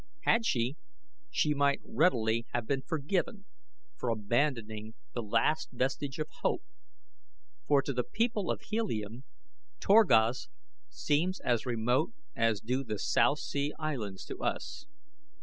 Had she, she might readily have been forgiven for abandoning the last vestige of hope, for to the people of Helium Torquas seems as remote as do the South Sea Islands to us.